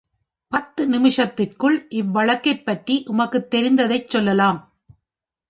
பத்து நிமிஷத்திற்குள் இவ்வழக்கைப் பற்றி உமக்குத் தெரிந்ததைச் சொல்லலாம்.